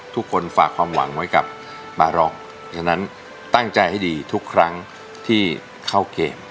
ทุกคนฝากความหวังไว้กับบาร็อกฉะนั้นตั้งใจให้ดีทุกครั้งที่เข้าเกม